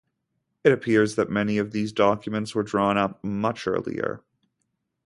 It appears that many of these documents were drawn up much earlier.